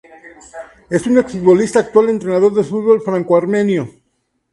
Es un ex futbolista y actual entrenador de fútbol franco-armenio.